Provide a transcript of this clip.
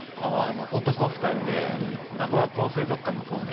男２人で名古屋港水族館の方に。